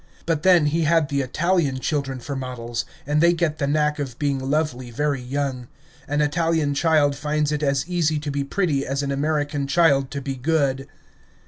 But then, he had the Italian children for models, and they get the knack of being lovely very young. An Italian child finds it as easy to be pretty as an American child to be good.